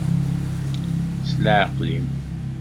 S leɛqel-im.